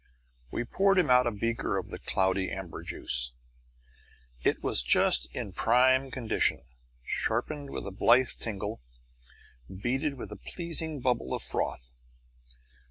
We poured him out a beaker of the cloudy amber juice. It was just in prime condition, sharpened with a blithe tingle, beaded with a pleasing bubble of froth.